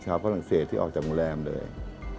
ฝรั่งเศสที่ออกจากโรงแรมเลย